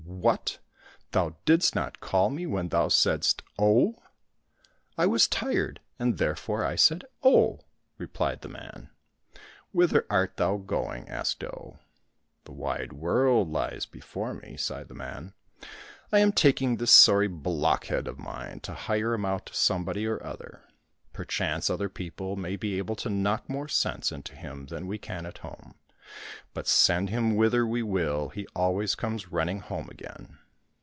—" What ! thou didst not call me when thou saidst * Oh '?"— "I was tired, and therefore I said ' Oh M " repHed the man.—" Whither art thou going ?" asked Oh. —" The wide world Hes before me," sighed the man. " I am taking this sorry blockhead of mine to hire him out to somebody or other. Perchance other people may be able to knock more sense into him than we can at home ; but send him whither we will, he always comes running home again